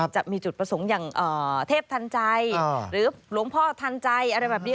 จะมีจุดประสงค์อย่างเทพทันใจหรือหลวงพ่อทันใจอะไรแบบนี้